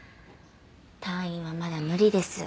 退院はまだ無理です。